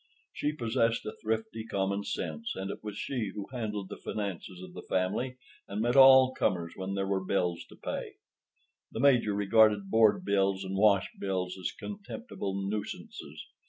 She possessed a thrifty common sense, and it was she who handled the finances of the family, and met all comers when there were bills to pay. The Major regarded board bills and wash bills as contemptible nuisances.